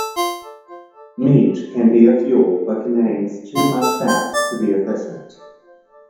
Meat can be a fuel, but contains too much fat to be efficient.